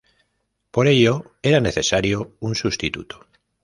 Por ello, era necesario un sustituto.